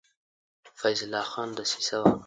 فیض الله خان دسیسه وکړه.